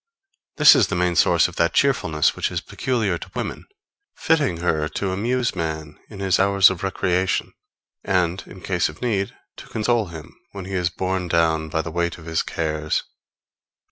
This is the source of that cheerfulness which is peculiar to women, fitting her to amuse man in his hours of recreation, and, in case of need, to console him when he is borne down by the weight of his cares.